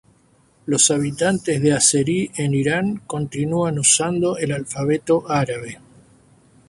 Los hablantes de azerí en Irán continúan usando el alfabeto árabe.